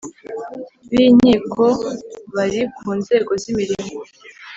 B inkiko bari ku nzego z imirimo